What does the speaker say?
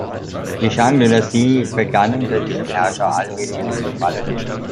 Die Shang-Dynastie begann unter diesem Herrscher allmählich zu zerfallen.